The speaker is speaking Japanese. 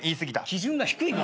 基準が低いな。